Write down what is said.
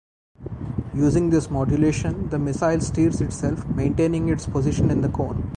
Using this modulation, the missile steers itself, maintaining its position in the cone.